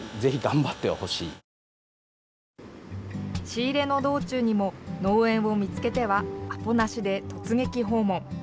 仕入れの道中にも農園を見つけてはアポなしで突撃訪問。